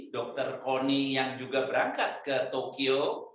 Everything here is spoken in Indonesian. dokter koni yang juga berangkat ke tokyo